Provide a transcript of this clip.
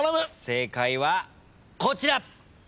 正解はこちら！